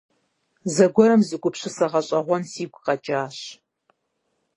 Зэгуэрым зы гупсысэ гъэщӀэгъуэн сигу къэкӀащ.